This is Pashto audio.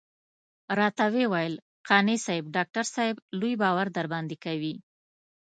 راته وويل قانع صاحب ډاکټر صاحب لوی باور درباندې کوي.